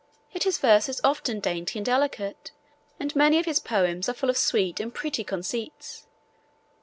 Yet his verse is often dainty and delicate, and many of his poems are full of sweet and pretty conceits.